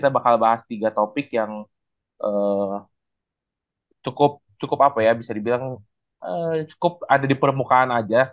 kita bakal bahas tiga topik yang cukup apa ya bisa dibilang cukup ada di permukaan aja